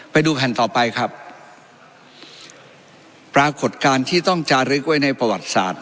ไปดูแผ่นต่อไปครับปรากฏการณ์ที่ต้องจารึกไว้ในประวัติศาสตร์